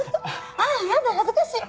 あっやだ恥ずかしい。